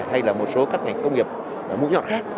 hay là một số các ngành công nghiệp mũi nhọn khác